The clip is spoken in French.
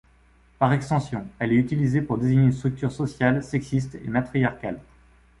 Par extension, elle est utilisée pour désigner une structure sociale sexiste et matriarcale.